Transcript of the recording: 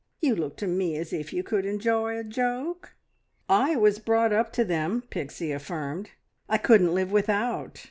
You look to me as if you could enjoy a joke." "I was brought up to them," Pixie affirmed. "I couldn't live without.